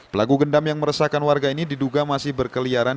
pelaku gendam yang meresahkan warga ini diduga masih berkeliaran